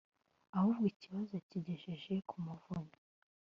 ahubwo ikibazo yakigejeje ku muvunyi